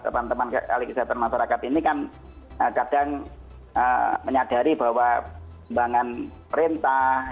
teman teman ahli kesehatan masyarakat ini kan kadang menyadari bahwa kembangan perintah